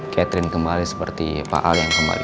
catherine kembali seperti pak ali yang kembali poin